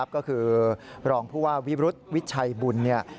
ก็คือรองภูาวิรุษวิชัยบุญ